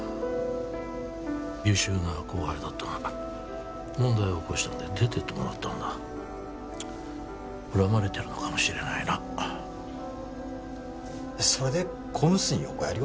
優秀な後輩だったが問題を起こしたので出てってもらったんだ恨まれてるのかもしれないなそれでＣＯＭＳに横やりを？